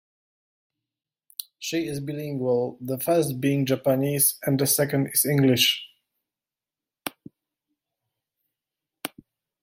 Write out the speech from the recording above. She is bilingual; the first being Japanese and the second is English.